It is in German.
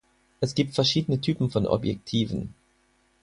Es gibt verschiedene Typen von Objektiven.